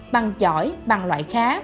bằng giỏi bằng loại khá